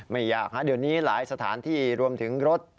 ไม่ยากดังนี้หลายสถานที่รวมถึงรถ